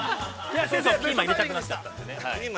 ピーマン入れたくなっちゃったんでね。